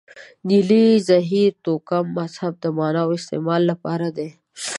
نیلې، زهیر، توکم، مهذب د معنا او استعمال لپاره دي.